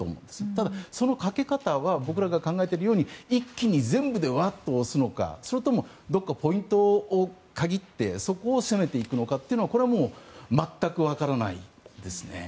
ただ、そのかけ方は僕らが考えているように一気に全部でワッと押すのかそれともどこかポイントを限ってそこを攻めていくのかは全くわからないですね。